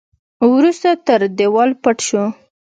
وروسته تر دېوال پټ شو.